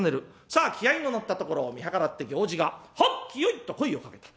さあ気合いの乗ったところを見計らって行司が「はっきよい」と声をかけた。